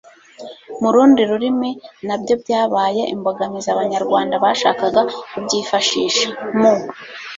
mu rundi rurimi na byo byabaye imbogamizi abanyarwanda bashakaga kubyifashisha. mu